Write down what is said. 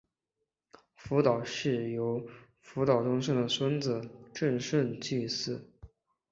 福岛氏由福岛忠胜的孙子正胜继嗣。